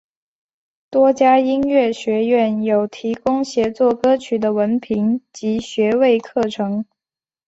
多家音乐学院有提供写作歌曲的文凭及学位课程。